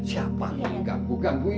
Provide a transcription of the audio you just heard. siapa yang mengganggu mengganggu ini